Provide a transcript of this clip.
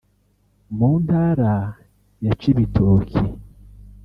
mu Ntara ya Cibitoki